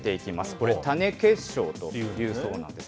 これ、種結晶というそうなんです。